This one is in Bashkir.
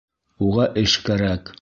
Уға эш кәрәк.